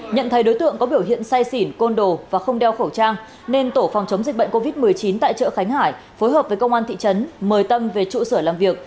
nhận thấy đối tượng có biểu hiện say xỉn côn đồ và không đeo khẩu trang nên tổ phòng chống dịch bệnh covid một mươi chín tại chợ khánh hải phối hợp với công an thị trấn mời tâm về trụ sở làm việc